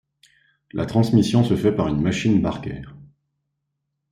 La transmission se fait par une machine Barker.